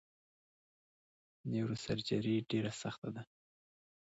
نیوروسرجري ډیره سخته ده!